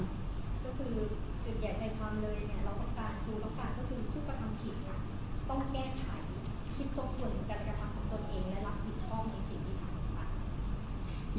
ก็คือจุดใหญ่ใจความเลยแล้วก็การรู้แล้วก็การเข้าถึงผู้กระทำผิดน่ะต้องแก้ไขคิดตกส่วนการกระทำของตนเองและรับผิดช่องที่สิ่งที่ทำต่อไป